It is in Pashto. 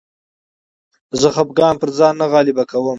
زه خپګان پر ځان نه غالبه کوم.